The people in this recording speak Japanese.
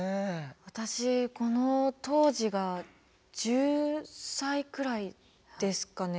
私この当時が１０歳くらいですかね。